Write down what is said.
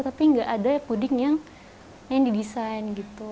tapi nggak ada puding yang di design gitu